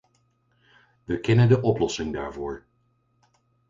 We kennen de oplossing daarvoor.